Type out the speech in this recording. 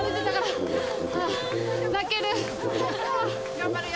頑張れよ